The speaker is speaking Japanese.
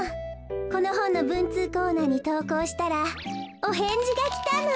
このほんのぶんつうコーナーにとうこうしたらおへんじがきたの。